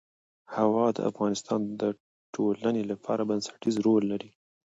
هوا د افغانستان د ټولنې لپاره بنسټيز رول لري.